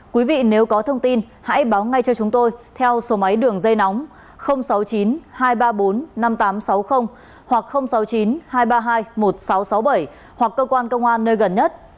quý vị nếu có thông tin hãy báo ngay cho chúng tôi theo số máy đường dây nóng sáu mươi chín hai trăm ba mươi bốn năm nghìn tám trăm sáu mươi hoặc sáu mươi chín hai trăm ba mươi hai một nghìn sáu trăm sáu mươi bảy hoặc cơ quan công an nơi gần nhất